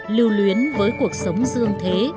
lưu luyến với cuộc sống dương thế